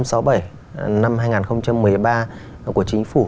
số một trăm sáu mươi bảy năm hai nghìn một mươi ba của chính phủ